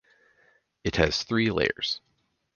It has three layers.